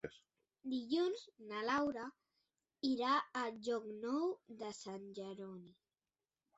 Dilluns na Laura irà a Llocnou de Sant Jeroni.